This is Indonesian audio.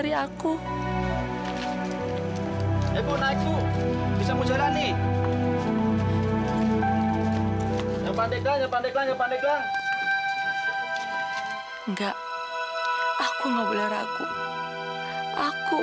bisa kurang jatuh lagi nih ibu